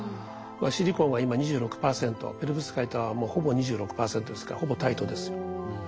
シリコンは今２６％ペロブスカイトはもうほぼ２６％ですからほぼ対等ですよ。